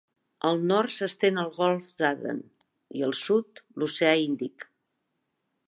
Al nord s'estén el golf d'Aden i al sud l'oceà Índic.